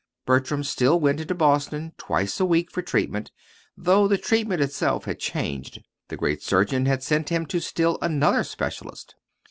Bertram still went into Boston twice a week for treatment, though the treatment itself had changed. The great surgeon had sent him to still another specialist.